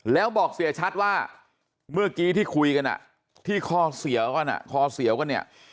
แล้วบอกเสียชัดว่าเมื่อกี้ที่คุยกันที่คอเสียวก่อนนะ